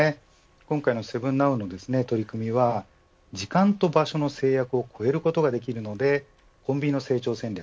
今回の７ＮＯＷの取り組みは時間と場所の制約を越えることができるのでコンビニの成長戦略